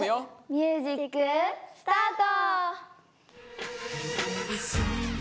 ミュージックスタート！